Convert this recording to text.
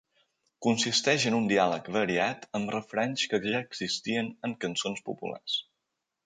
Consisteix en un diàleg variat amb refranys que ja existien en cançons populars.